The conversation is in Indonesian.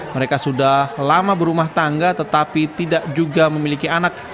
mereka sudah lama berumah tangga tetapi tidak juga memiliki anak